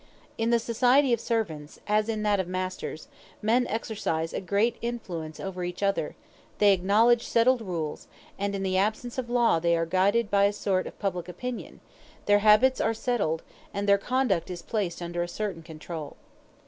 In the society of servants, as in that of masters, men exercise a great influence over each other: they acknowledge settled rules, and in the absence of law they are guided by a sort of public opinion: their habits are settled, and their conduct is placed under a certain control.